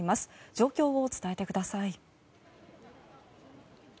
状況を伝えてください。